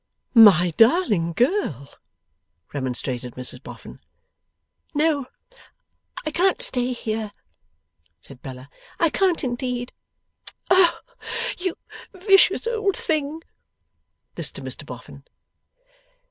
'My darling girl!' remonstrated Mrs Boffin. 'No, I can't stay here,' said Bella; 'I can't indeed. Ugh! you vicious old thing!' (This to Mr Boffin.)